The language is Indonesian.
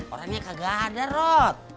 orangnya gak ada rod